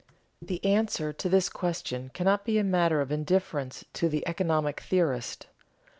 The answer to this question cannot be a matter of indifference to the economic theorist.